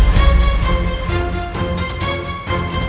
dari peristiwa penting